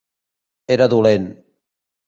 Era dolent.